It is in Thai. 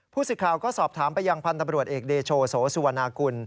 ผู้สิทธิ์ข่าวก็สอบถามไปยังพันธุ์ตำรวจเอกเดชโชว์โสสุวนากุล